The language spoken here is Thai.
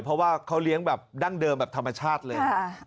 เพราะว่าเขาเลี้ยงแบบดั้งเดิมแบบธรรมชาติเลย